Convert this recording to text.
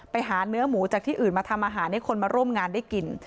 ไปหาเนื้อหมูจากที่อื่นมาทำอาหารให้คนมาร่วมงานได้กิน